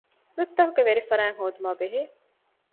ރުއްތަކުގެ ވެރިފަރާތް ހޯދުމާބެހޭ